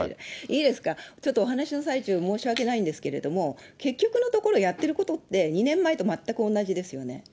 いいですか、ちょっとお話の最中、申し訳ないんですけれども、結局のところ、やってることって、２年前と全く同じですよね。